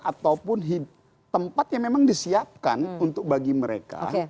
ataupun tempat yang memang disiapkan untuk bagi mereka